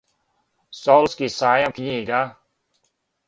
Солунски сајам књига.